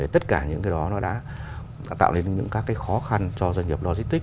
tất cả những cái đó nó đã tạo nên những các cái khó khăn cho doanh nghiệp logistics